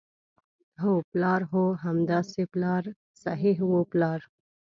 هو، پلار، هو همداسې پلار صحیح وو، پلار.